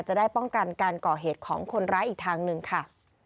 จะได้ป้องกันการก่อเหตุของคนร้ายอีกทางหนึ่งค่ะ